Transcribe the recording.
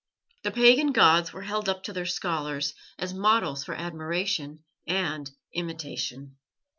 The pagan gods were held up to their scholars as models for admiration and imitation.